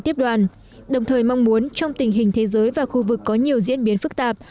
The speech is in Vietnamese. tiếp đoàn đồng thời mong muốn trong tình hình thế giới và khu vực có nhiều diễn biến phức tạp